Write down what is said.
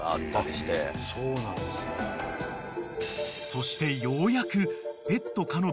［そしてようやく］